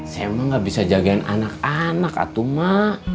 saya emang gak bisa jagain anak anak atu emak